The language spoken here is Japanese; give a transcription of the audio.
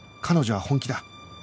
彼女は本気だ